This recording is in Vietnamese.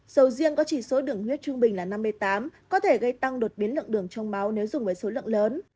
sầu riêng có chỉ số đường huyết trung bình là năm mươi tám có thể gây tăng đột biến lượng đường trong máu nếu dùng với số lượng lớn